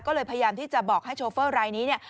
ก็เลยพยายามที่จะบอกให้โชเฟอร์รายนี้เนี่ย